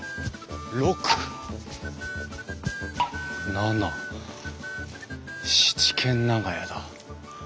７軒長屋だ。